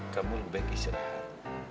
kamu lebih baik istirahat